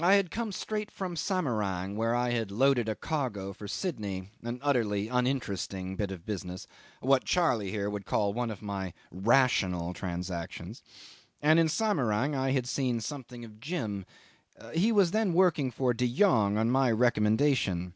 I had come straight from Samarang, where I had loaded a cargo for Sydney: an utterly uninteresting bit of business, what Charley here would call one of my rational transactions, and in Samarang I had seen something of Jim. He was then working for De Jongh, on my recommendation.